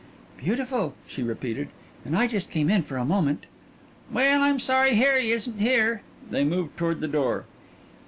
"Beautiful," she repeated, "and I just came in for a moment." "Well, I'm sorry Harry isn't here." They moved toward the door.